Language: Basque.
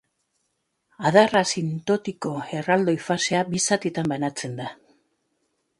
Adar asintotiko erraldoi fasea bi zatitan banatzen da.